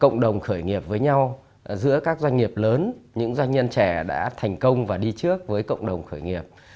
cộng đồng khởi nghiệp với nhau giữa các doanh nghiệp lớn những doanh nhân trẻ đã thành công và đi trước với cộng đồng khởi nghiệp